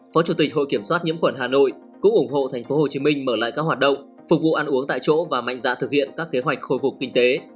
phó chủ tịch hội kiểm soát nhiễm khuẩn hà nội cũng ủng hộ tp hcm mở lại các hoạt động phục vụ ăn uống tại chỗ và mạnh dạ thực hiện các kế hoạch khôi phục kinh tế